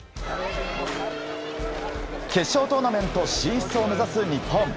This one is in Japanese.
決勝トーナメント進出を目指す日本。